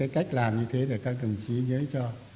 cách làm như thế các đồng chí nhớ cho